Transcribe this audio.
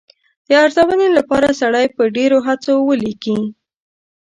د ارزونې لپاره سړی په ډېرو هڅو ولیکي.